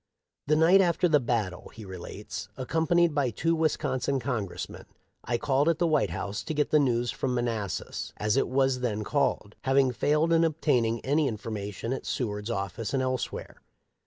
" The night after the battle,'" he relates, "accompanied by two Wisconsin Con= gressmen, I called at the White House to get the news from Manassas, as it was then called, having failed in obtaining any information at Seward's office and elsewhere.